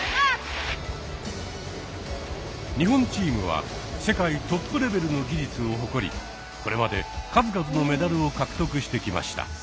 日本チームは世界トップレベルの技術を誇りこれまで数々のメダルを獲得してきました。